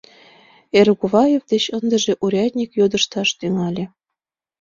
Эргуваев деч ындыже урядник йодышташ тӱҥале.